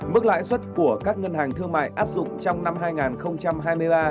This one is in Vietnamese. mức lãi suất của các ngân hàng thương mại áp dụng trong năm hai nghìn hai mươi ba